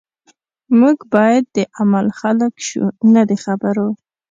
موږ باید د عمل خلک شو نه د خبرو